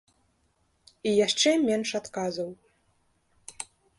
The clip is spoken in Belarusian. І яшчэ менш адказаў.